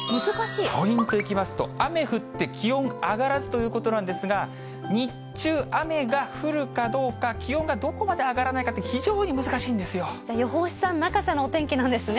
ポイントいきますと、雨降って、気温上がらずということなんですが、日中、雨が降るかどうか、気温がどこまで上がらないかって、非常に難しじゃあ、予報士さん泣かせのお天気なんですね。